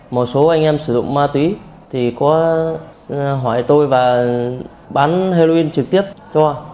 một số anh em sử dụng ma túy thì có hỏi tôi và bán heroin trực tiếp cho